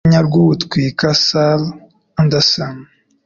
Urwenya rw'uwitwa Sarah Andersen.